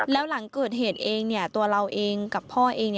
แล้วหลังเกิดเหตุเองตัวเราเองกับพ่อเอง